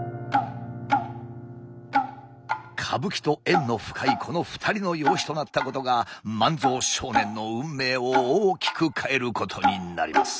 歌舞伎と縁の深いこの２人の養子となったことが万蔵少年の運命を大きく変えることになります。